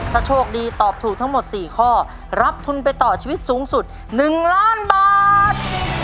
ถ้าโชคดีตอบถูกทั้งหมด๔ข้อรับทุนไปต่อชีวิตสูงสุด๑ล้านบาท